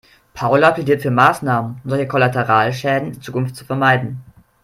Paula plädiert für Maßnahmen, um solche Kollateralschäden in Zukunft zu vermeiden.